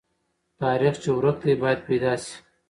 تاریخ چې ورک دی، باید پیدا سي.